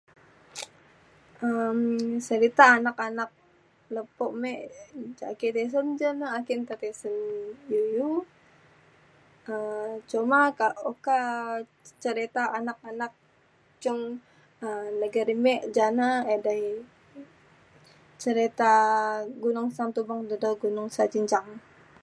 um serita anak-anak lepo mik ja ake tesen jane ake nta tesen iu iu. um coma ka oka cereta anak-anak cung um negeri mik jane edai cereta Gunung Santubong dedo Gunung Sejinjang.